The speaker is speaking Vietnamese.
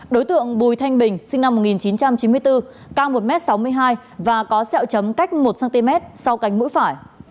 đối tượng bùi thanh bình sinh năm một nghìn chín trăm chín mươi bốn cao một m sáu mươi hai và có sẹo chấm cách một cm sau cánh mũi phải